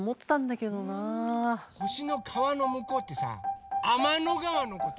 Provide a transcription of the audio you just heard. ほしのかわのむこうってさあまのがわのこと？